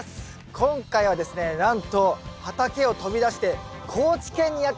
今回はですねなんと畑を飛び出して高知県にやってまいりました。